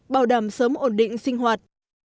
bảo đảm sớm ổn định sinh hoạt